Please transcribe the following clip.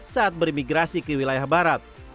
saat berimigrasi ke wilayah barat